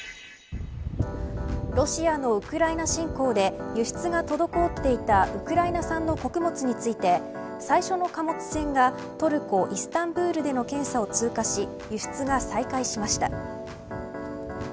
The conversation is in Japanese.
ロシアのウクライナ侵攻で輸出が滞っていたウクライナ産の穀物について最初の貨物船がトルコイスタンブールでの検査を通過し輸出が再開しました。